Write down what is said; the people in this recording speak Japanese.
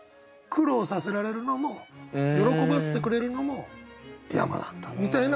苦労させられるのも喜ばせてくれるのも山なんだみたいな歌なのかな。